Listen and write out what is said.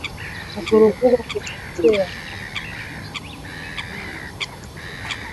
Miaka mingi inaweza kupita kabla ya mkurupuko kutokea